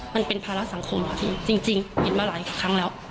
มันเป็นภาระสังคมค่ะพี่จริงเห็นมาหลายครั้งแล้ว